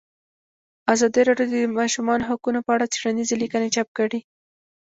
ازادي راډیو د د ماشومانو حقونه په اړه څېړنیزې لیکنې چاپ کړي.